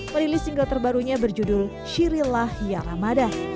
merilis single terbarunya berjudul shirilah ya ramadan